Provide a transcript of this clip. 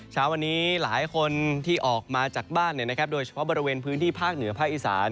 เช้าวันนี้หลายคนที่ออกมาจากบ้านโดยเฉพาะบริเวณพื้นที่ภาคเหนือภาคอีสาน